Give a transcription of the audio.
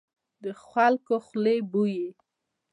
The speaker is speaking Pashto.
د خلکو خولې بويي.